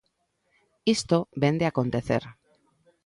Isto vén de acontecer.